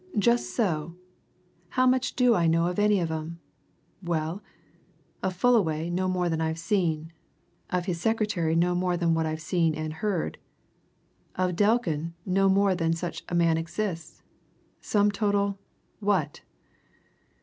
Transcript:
"Just so! How much do I know of any of 'em? Well, of Fullaway no more than I've seen. Of his secretary no more than what I've seen and heard. Of Delkin no more than that such a man exists. Sum total what!"